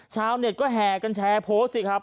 ชาวเน็ตก็แห่กันแชร์โพสต์สิครับ